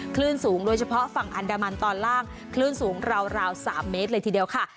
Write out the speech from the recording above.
คลื่นสูงโดยเฉพาะฝั่งอันดามันตอนล่างคลื่นสูงราว๓เมตรเลยทีเดียวค่ะ